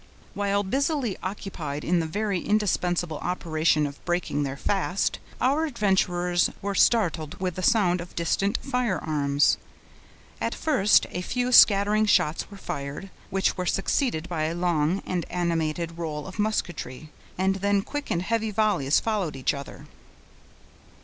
While busily occupied in the very indispensable operation of breaking their fast, our adventurers were startled with the sound of distant firearms. At first a few scattering shots were fired, which were succeeded by a long and animated roll of musketry, and then quick and heavy volleys followed each other.